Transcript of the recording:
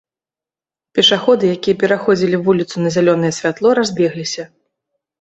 Пешаходы, якія пераходзілі вуліцу на зялёнае святло, разбегліся.